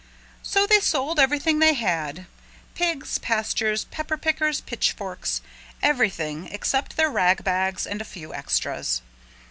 So they sold everything they had, pigs, pastures, pepper pickers, pitchforks, everything except their ragbags and a few extras.